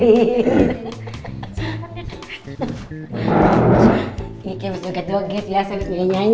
kiki masih ngedugit ya selalu nge nyanyi